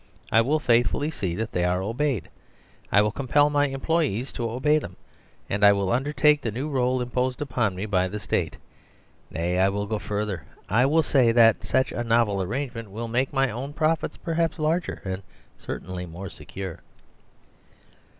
I will faithfully see that they areobeyed; I will compel my employees to obey them, and I will undertake the new role im posed upon me by the State. Nay, T will go further, and I will say that such a novel arrangement will make my own profits perhaps larger and certainly more secure."